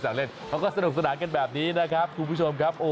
เล่นเขาก็สนุกสนานกันแบบนี้นะครับคุณผู้ชมครับ